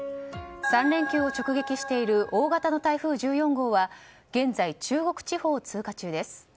３連休を直撃している大型の台風１４号は現在、中国地方を通過中です。